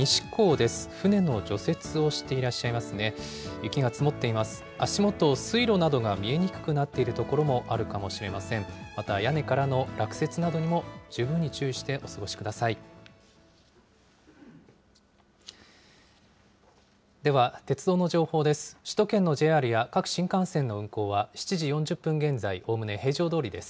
では、鉄道の情報です。